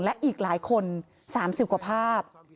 และอีกหลายคน๓๐กว่าภาพ